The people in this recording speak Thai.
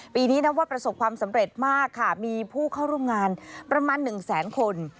ปีนี้นับว่าประสบความสำเร็จมากค่ะมีผู้เข้าร่วมงานประมาณ๑แสนคน